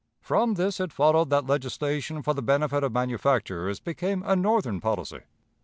From this it followed that legislation for the benefit of manufacturers became a Northern policy.